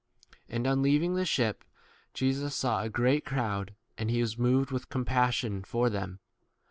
w And on leaving [the ship] Jesus saw a great crowd, and he was moved with compassion for them, be t T.